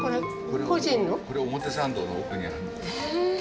これ表参道の奥にある。